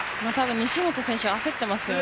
西本選手、焦っていますよね。